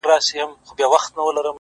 سوخ خوان سترگو كي بيده ښكاري؛